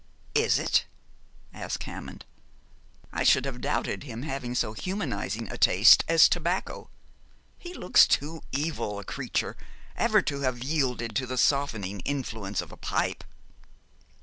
'Is it?' asked Hammond. 'I should have doubted his having so humanising a taste as tobacco. He looks too evil a creature ever to have yielded to the softening influence of a pipe.'